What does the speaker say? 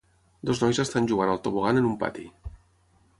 Dos nois estan jugant al tobogan en un pati